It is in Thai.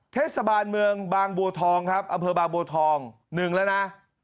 เทศบาลเมืองบางบัวทองครับอำเภอบางบัวทอง๑แล้วนะ